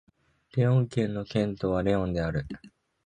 レオン県の県都はレオンである